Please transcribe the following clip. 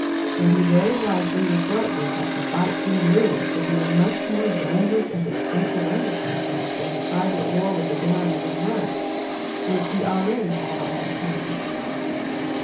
And he very wisely reflected that to fight King Louis would be a much more dangerous and expensive undertaking than the private war with the Baron of Evreux, which he already had on his hands.